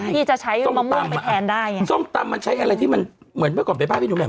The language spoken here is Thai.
ที่จะใช้มะม่วงไปแทนได้ส้งตำมันใช้อะไรที่มันเหมือนมะกอกเป็นป้าพี่หนูแหม่ม